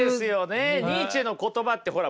ニーチェの言葉ってほら